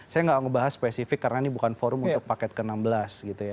saya nggak ngebahas spesifik karena ini bukan forum untuk paket ke enam belas gitu ya